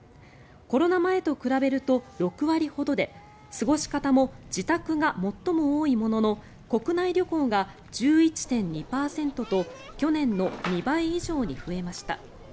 コロナ前と比べると６割ほどで過ごし方も自宅が最も多いものの国内旅行が１１．２％と去年の２倍以上に増えました。